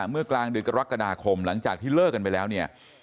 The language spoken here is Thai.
เมื่อกลางเดือนกรกฎาคมหลังจากที่เลิกกันไปแล้วเนี่ย